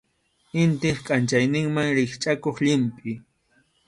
Intip kʼanchayninman rikchʼakuq llimpʼi.